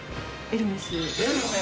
エルメス。